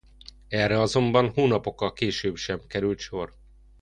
Erre azonban hónapokkal később sem került sor.